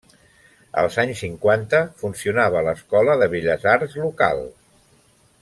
Als anys cinquanta, funcionava l'Escola de Belles Arts local.